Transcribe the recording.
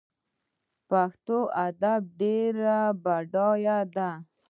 پښتو ادب ډیر بډای دی